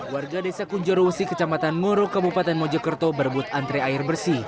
warga desa kunjorowesi kecamatan ngoro kabupaten mojokerto berebut antre air bersih